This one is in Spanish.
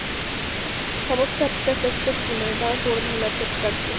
Famoso artista plástico que fundamenta su obra en el arte abstracto.